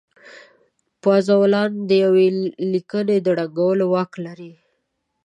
پازوالان د يوې ليکنې د ړنګولو واک لري.